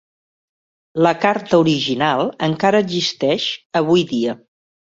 La carta original encara existeix avui dia.